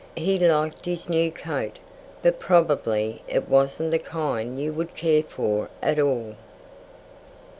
He liked his new coat But probably it wasn't the kind you would care for at all.